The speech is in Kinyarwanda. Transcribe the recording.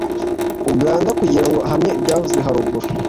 uganda kugira ngo ahamye ibyavuzwe haruguru